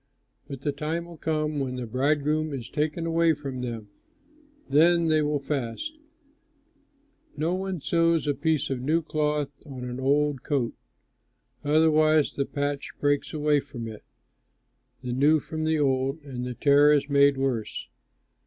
But the time will come when the bridegroom is taken away from them; then they will fast. No one sews a piece of new cloth on an old coat; otherwise the patch breaks away from it, the new from the old, and the tear is made worse.